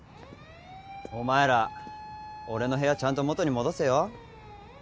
お前ら俺の部屋ちゃんと元に戻せよ。